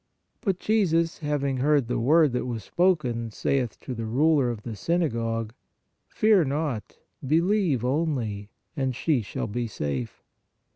But Jesus, having heard the word that was spoken, saith to the ruler of the synagogue : Fear not, believe only, and she shall be safe.